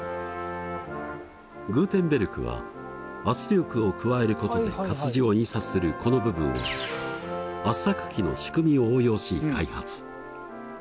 グーテンベルクは圧力を加えることで活字を印刷するこの部分を圧搾機の仕組みを応用し開発。